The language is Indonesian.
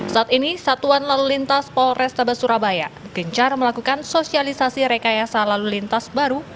saat ini satuan lalu lintas polrestabes surabaya gencar melakukan sosialisasi rekayasa lalu lintas baru